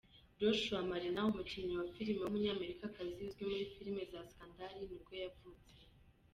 Joshua Malina, umukinnyi wa filime w’umunyamerika uzwi muri filime za Scandal nibwo yavutse.